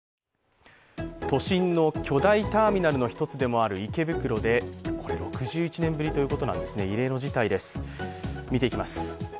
都心の巨大ターミナルの一つでもある池袋で、６１年ぶりということなんですね異例の事態です、見ていきます。